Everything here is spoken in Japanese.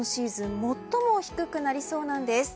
最も低くなりそうなんです。